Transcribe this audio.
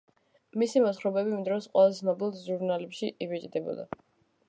მისი მოთხრობები იმ დროის ყველაზე ცნობილ ჟურნალებში იბეჭდებოდა.